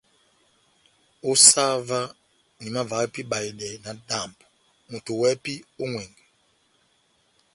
Ó sah óvah, nahimavaha pɛhɛ ibahedɛ náhádambɔ, moto wɛ́hɛ́pi ó ŋʼwɛngɛ !